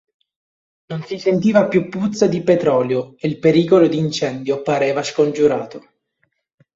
Non si sentiva più puzza di petrolio e il pericolo di incendio pareva scongiurato.